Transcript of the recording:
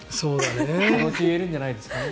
そのうち言えるんじゃないですかね。